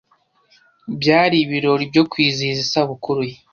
Byari ibirori byo kwizihiza isabukuru ye.